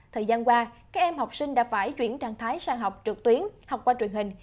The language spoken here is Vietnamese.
thời gian qua các em học sinh đã phải chuyển trạng thái sang học trực tuyến học qua truyền hình